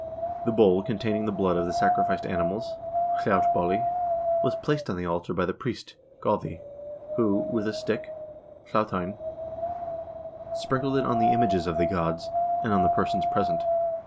The bowl containing the blood of the sacrificed animals (hlautbolli) was placed on the altar by the priest (godi), who, with a stick (hlautteinn) , sprinkled it on the images of the gods, and on the persons present.